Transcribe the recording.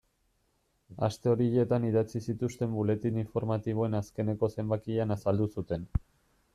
Aste horietan idatzi zituzten buletin informatiboen azkeneko zenbakian azaldu zuten.